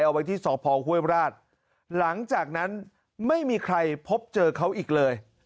เอาไว้ที่สพห้วยราชหลังจากนั้นไม่มีใครพบเจอเขาอีกเลย